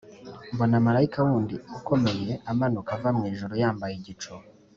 Mbona marayika wundi ukomeye amanuka ava mu ijuru yambaye igicu,